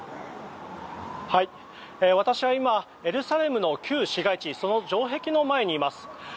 私は今エルサレムの旧市街地その城壁の前にいます。